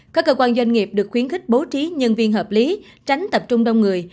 các cơ quan doanh nghiệp được khuyến khích bố trí nhân viên hợp lý tránh tập trung đông người